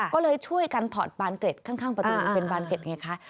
ก็เลยช่วยกันถอดบานเกร็ดข้างประตูมันเป็นบานเกร็ดไงคะ